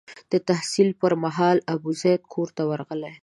د تحصیل پر مهال ابوزید کور ته ورغلی.